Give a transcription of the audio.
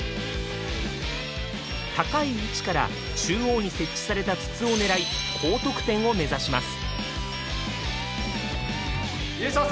高い位置から中央に設置された筒を狙い高得点を目指します。